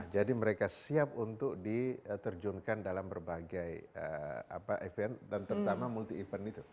jadi mereka siap untuk diterjunkan dalam berbagai event dan terutama multi event itu